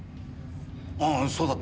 ああそうだったな。